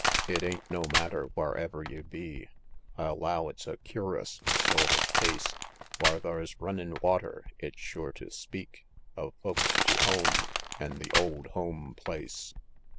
It ain't no matter wharever ye be, (I'll 'low it's a cur'us sort of case) Whar thar's runnin' water, it's sure to speak Of folks tew home an' the old home place; XI.